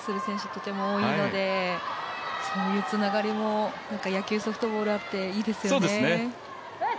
とても多いのでそういうつながりも野球、ソフトボールあっていいですよね。